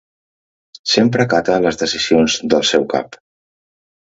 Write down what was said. Sempre acata les decisions del seu cap.